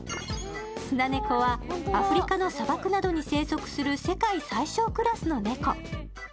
スナネコはアフリカの砂漠などに生息する世界最小クラスの猫。